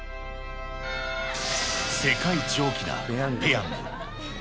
世界一大きなペヤング。